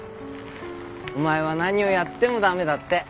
お前は何をやってもダメだって。